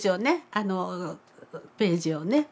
あのページをね。